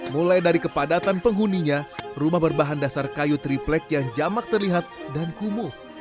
mulai dari kepadatan penghuninya rumah berbahan dasar kayu triplek yang jamak terlihat dan kumuh